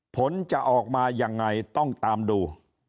ผลจะออกมายังไงต้องตามดู